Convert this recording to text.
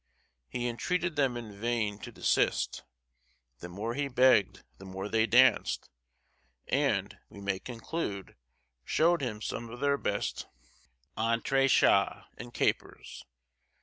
He entreated them in vain to desist: the more he begged the more they danced, and, we may conclude, showed him some of their best entrechâts and capers.